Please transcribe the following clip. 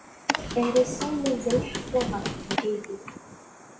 Ar ass-a, mazal ḥekkuɣ ɣef leɛǧayeb-ik.